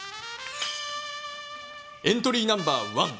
エントリーナンバー１。